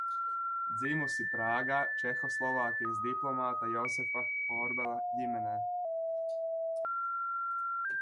Dzimusi Prāgā Čehoslovākijas diplomāta Josefa Korbela ģimenē.